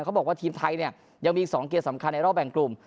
เขาบอกว่าทีมไทยเนี่ยยังมี๒เกมสำคัญในรอบแบ่งกลุ่ม